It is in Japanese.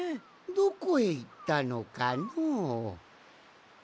どこへいったのかのう。